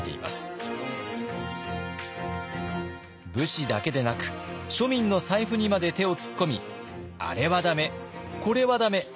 武士だけでなく庶民の財布にまで手を突っ込みあれは駄目これは駄目。